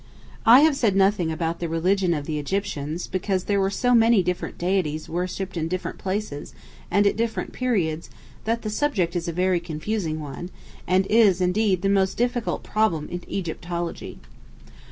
I have said nothing about the religion of the Egyptians, because there were so many different deities worshipped in different places and at different periods that the subject is a very confusing one, and is indeed the most difficult problem in Egyptology.